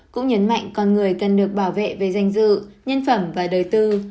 cũng nhấn mạnh con người cần được bảo vệ về danh dự nhân phẩm và đời tư